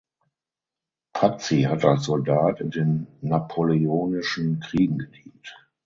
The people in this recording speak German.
Patsy hat als Soldat in den Napoleonischen Kriegen gedient.